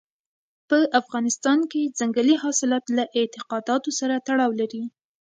په افغانستان کې ځنګلي حاصلات له اعتقاداتو سره تړاو لري.